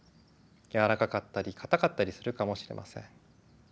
やわらかかったり硬かったりするかもしれません。